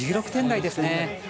１６点台ですね。